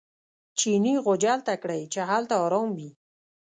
چیني غوجل ته کړئ چې هلته ارام وي.